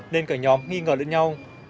nên cả nhóm nghi ngờ lẫn nhau